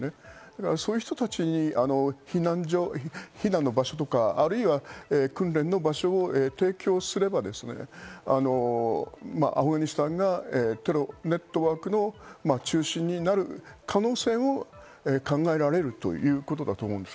そういう人たちに避難の場所とか、訓練の場所を提供すれば、アフガニスタンがテロネットワークの中心になる可能性も考えられるということだと思うんです。